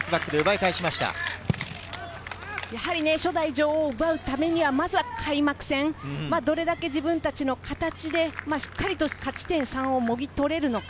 初代女王を奪うためには、まずは開幕戦、どれだけ自分たちの形でしっかりと勝ち点３をもぎ取れるのか。